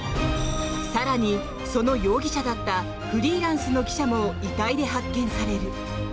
更に、その容疑者だったフリーランスの記者も遺体で発見される。